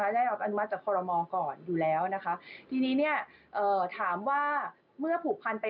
ได้รับอนุมัติจากคอรมอก่อนอยู่แล้วนะคะ